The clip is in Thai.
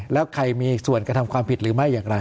แล้วใครมีส่วนกระทำความผิดหรือไม่อย่างไร